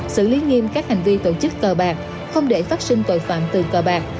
xử lý nghiêm các hành vi tổ chức cờ bạc không để phát sinh tội phạm từ cờ bạc